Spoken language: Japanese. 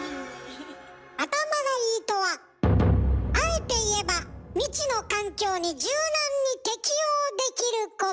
頭がいいとはあえて言えば「未知の環境に柔軟に適応できること」。